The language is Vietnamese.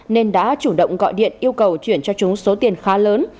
nên đã chủ động gọi điện yêu cầu chuyển cho chúng số tiền khá lớn